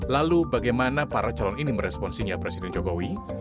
lalu bagaimana para calon ini meresponsinya presiden jokowi